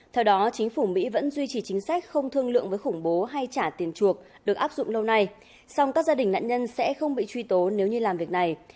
theo đó chính phủ mỹ vẫn duy trì chính sách không thương lượng với khủng bố hay trả tiền chuộc được áp dụng lâu nay song các gia đình nạn nhân sẽ không bị truy tố nếu như làm việc này